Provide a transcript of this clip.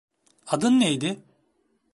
Adın neydi?